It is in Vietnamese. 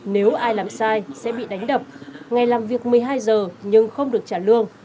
nếu ai làm sai sẽ bị đánh đập ngày làm việc một mươi hai giờ nhưng không được trả lương